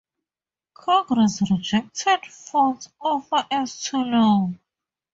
Congress rejected Ford's offer as too low.